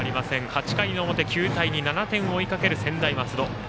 ８回の表、９対２７点を追いかける専大松戸。